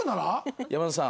山里さん